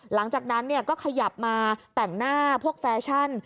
หลังจากนั้นก็ขยับมาแต่งหน้าพวกแฟชั่น